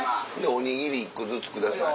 おにぎり１個ずつください。